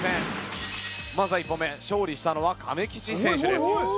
まずは１本目勝利したのはかめきち選手です。